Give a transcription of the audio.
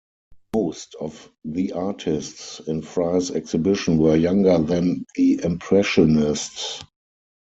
Most of the artists in Fry's exhibition were younger than the Impressionists.